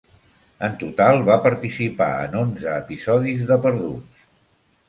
En total, va participar en onze episodis de "Perduts".